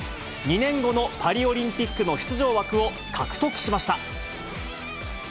２年後のパリオリンピックの出場枠を獲得しました。